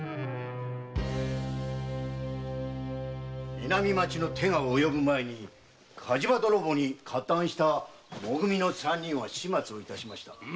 ・南町の手が及ぶ前に火事場泥棒に加担したも組の三人は始末をいたしました。